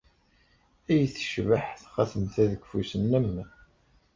Ay tecbeḥ txatemt-a deg ufus-nnem!